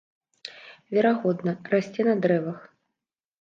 Верагодна, расце на дрэвах.